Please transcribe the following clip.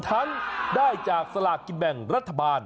ฉันได้จากสลากกินแบ่งรัฐบาล